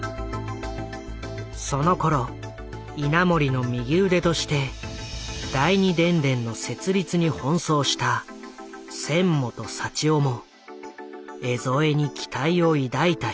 そのころ稲盛の右腕として第二電電の設立に奔走した千本倖生も江副に期待を抱いた一人だ。